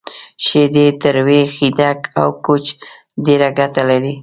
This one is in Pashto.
شیدې، تروی، خیدک، او کوچ ډیره ګټه لری